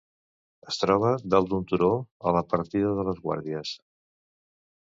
Es troba dalt d'un turó a la partida de "Les Guàrdies".